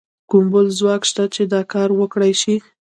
کوم بل ځواک شته چې دا کار وکړای شي؟